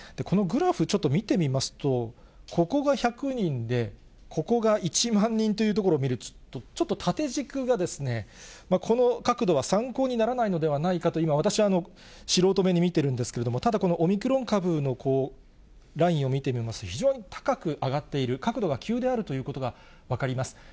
このグラフ、ちょっと見てみますと、ここが１００人で、ここが１万人というところを見ると、ちょっと縦軸がこの角度は参考にならないのではないかと、今、私は素人目で見てるんですけれども、ただ、このオミクロン株のラインを見てみますと、非常に高く上がっている、角度が急であるということが分かります。